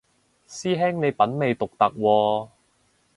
師兄你品味獨特喎